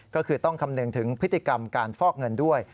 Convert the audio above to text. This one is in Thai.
ก็คือต้องคำนึงถึงพฤติกรรมการฟอกเงินด้วย